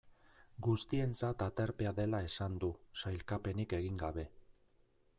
Guztientzat aterpea dela esan du, sailkapenik egin gabe.